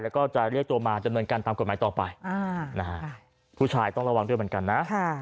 แล้วก็จะเรียกตัวมาดำเนินการตามกฎหมายต่อไปผู้ชายต้องระวังด้วยเหมือนกันนะ